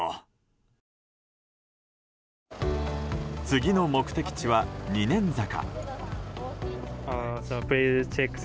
次の目的地は二年坂。